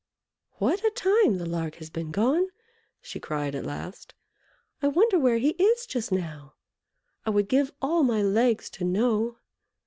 "What a time the Lark has been gone!" she cried, at last. "I wonder where he is just now! I would give all my legs to know!"